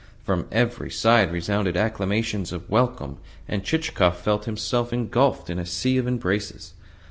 From every side resounded acclamations of welcome, and Chichikov felt himself engulfed in a sea of embraces.